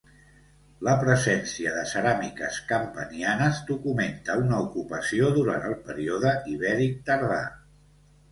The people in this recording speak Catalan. La presència de ceràmiques campanianes documenta una ocupació durant el període ibèric tardà.